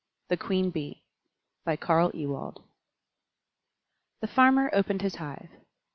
THE QUEEN BEE By Carl Ewald The farmer opened his hive.